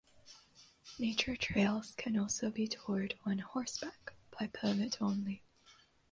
Nature trails can also be toured on horseback by permit only.